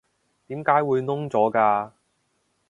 點解會燶咗㗎？